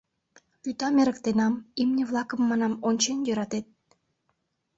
Вӱтам эрыктенам, имне-влакым, манам, ончен йӧратет.